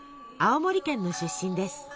青森県の出身です。